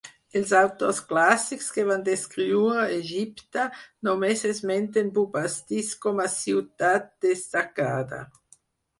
Els autors clàssics que van descriure Egipte, només esmenten Bubastis com a ciutat destacada.